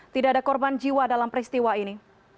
tidak ada korban jiwa dalam peristiwa ini